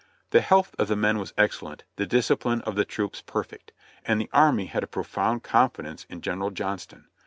The health of the men was excellent, the discipline of the troops perfect; and the army had a profound confidence in General Johnston.